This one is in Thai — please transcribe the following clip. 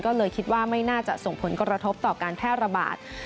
ก็เลยคิดว่าไม่น่าจะส่งผลกระทบต่อการแพร่ระบาด